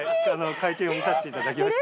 会見を見させていただきました。